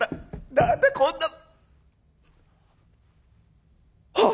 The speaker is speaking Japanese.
何だこんなもん」。